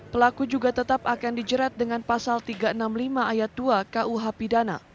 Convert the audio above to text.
pelaku juga tetap akan dijerat dengan pasal tiga ratus enam puluh lima ayat dua kuh pidana